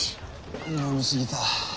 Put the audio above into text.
飲み過ぎた。